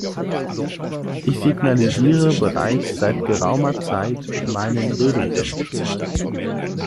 Ich signalisiere bereits seit geraumer Zeit meinen Redewunsch.